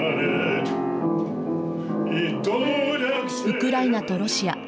ウクライナとロシア。